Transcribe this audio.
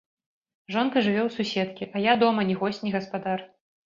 Жонка жыве ў суседкі, а я дома ні госць, ні гаспадар.